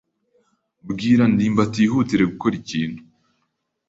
Bwira ndimbati yihutire gukora ikintu.